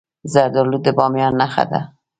زردالو د بامیان نښه ده.